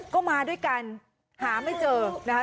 ก็มาด้วยกันหาไม่เจอนะคะ